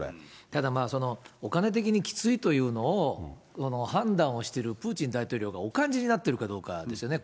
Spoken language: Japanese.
ただまあ、お金的にきついというのを判断をしてる、プーチン大統領がお感じになってるかどうかですよね。